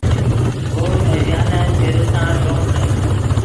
ڤؤ نے ژانن چے ریسان ݱومتے